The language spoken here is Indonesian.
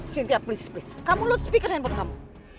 cynthia tolong kamu taruh speaker handphone kamu